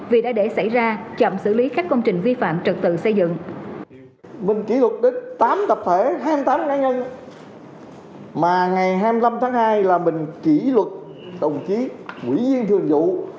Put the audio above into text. vì đã để xảy ra chậm xử lý các công trình vi phạm trật tự xây dựng